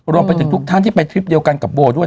รวมไปถึงทุกท่านที่ไปทริปเดียวกันกับโบด้วย